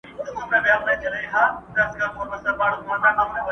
چي د عیش پیمانه نه غواړې نسکوره٫